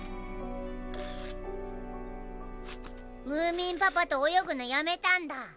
ムーミンパパと泳ぐのやめたんだ。